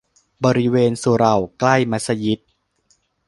บริเวณสุเหร่าใกล้มัสยิด